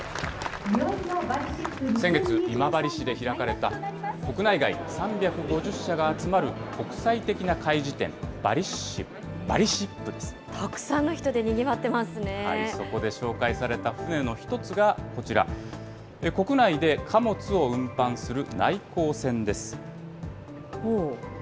先月、今治市で開かれた国内外３５０社が集まる国際的な海事展、バリシたくさんの人でにぎわっていそこで紹介された船の一つがこちら、国内で貨物を運搬する内航船です。